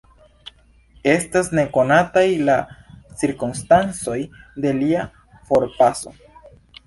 Estas ne konataj la cirkonstancoj de lia forpaso.